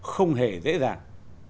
không hề dễ dàng